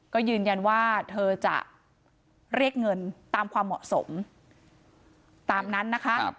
ก็ยืนยันว่าเธอจะเรียกเงินตามความเหมาะสมตามนั้นนะคะ